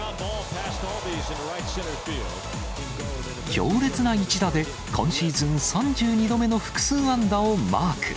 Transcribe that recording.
強烈な一打で、今シーズン３２度目の複数安打をマーク。